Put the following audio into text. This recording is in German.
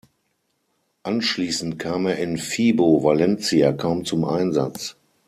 Anschließend kam er in Vibo Valentia kaum zum Einsatz.